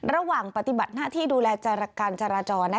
ระหว่างปฏิบัติหน้าที่ดูแลการจราจร